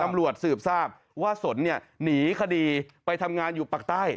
ตำรวจสืบทราบว่าสนหนีคดีไปทำงานอยู่ปากใต้